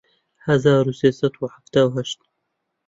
هەزار و سێ سەد و حەفتا و هەشت